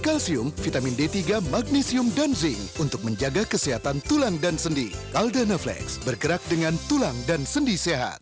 kalsium vitamin d tiga magnesium dan zinc untuk menjaga kesehatan tulang dan sendi